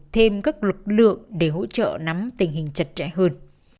thêm các lực lượng để hỗ trợ nắm tình hình chặt chẽ hơn